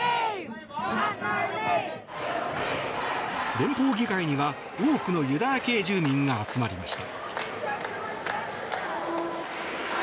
連邦議会には多くのユダヤ系住民が集まりました。